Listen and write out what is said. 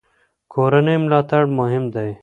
کورنۍ ملاتړ مهم دی.